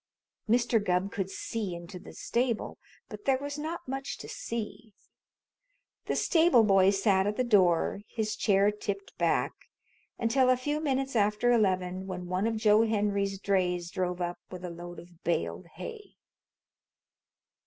Mr. Gubb could see into the stable, but there was not much to see. The stable boy sat at the door, his chair tipped back, until a few minutes after eleven, when one of Joe Henry's drays drove up with a load of baled hay.